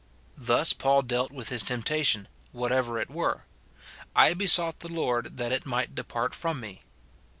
Thus Paul dealt with his temptation, whatever it were :" I besought the Lord that it might depart from me."